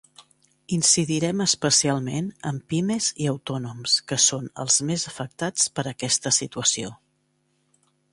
Incidirem especialment en pimes i autònoms, que són els més afectats per aquesta situació.